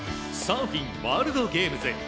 サーフィンワールドゲームズ。